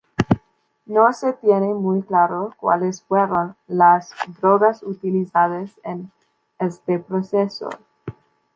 No se tiene muy claro cuáles fueron las drogas utilizadas en este proceso.